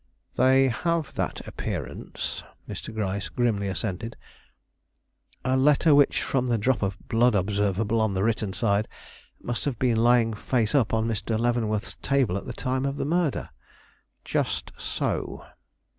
"They have that appearance," Mr. Gryce grimly assented. "A letter which, from the drop of blood observable on the written side, must have been lying face up on Mr. Leavenworth's table at the time of the murder " "Just so."